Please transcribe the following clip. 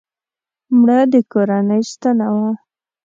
مړه د کورنۍ ستنه وه